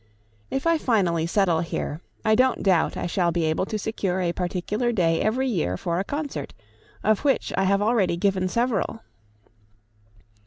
If I finally settle here, I don't doubt I shall be able to secure a particular day every year for a concert, of which I have already given several.